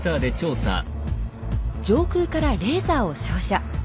上空からレーザーを照射。